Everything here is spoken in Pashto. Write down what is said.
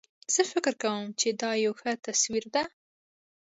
زه فکر کوم چې دا یو ښه تصویر ده